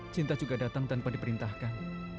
cinta juga datang tanpa diperintahkan